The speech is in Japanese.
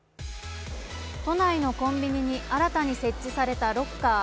都内のコンビニに新たに設置されたロッカー。